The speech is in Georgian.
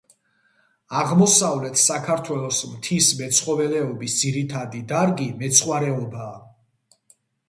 აღმოსავლეთ საქართველოს მთის მეცხოველეობის ძირითადი დარგი მეცხვარეობაა.